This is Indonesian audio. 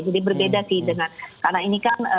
jadi berbeda sih dengan karena ini kan